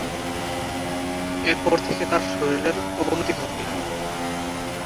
এর পর থেকে তার শরীরের অবনতি ঘটে।